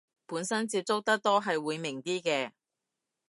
本身接觸得多係會明啲嘅